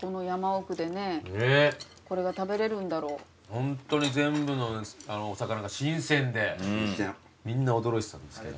ホントに全部のお魚が新鮮でみんな驚いてたんですけど。